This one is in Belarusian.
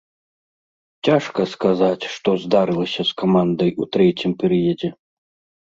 Цяжка сказаць, што здарылася з камандай у трэцім перыядзе.